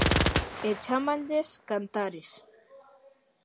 E chámanlles cantares.